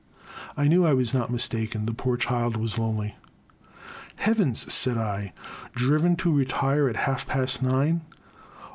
I knew I was not mistaken. The poor child was lonely. " Heavens! " said I, — "driven to retire at half past nine